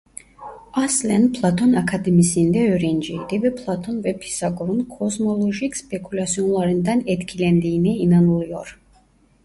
Aslen Platon akademisinde öğrenciydi ve Platon ve Pisagor'un kozmolojik spekülasyonlarından etkilendiğine inanılıyor.